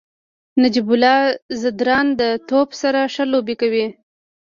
نجیب الله زدران د توپ سره ښه لوبه کوي.